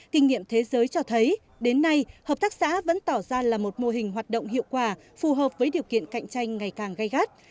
kinh nghiệm thế giới cho thấy đến nay hợp tác xã vẫn tỏ ra là một mô hình hoạt động hiệu quả phù hợp với điều kiện cạnh tranh ngày càng gây gắt